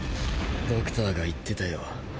ドクターが言ってたよ。